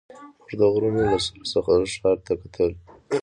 موږ د غرونو له سر څخه ښار ته کتل.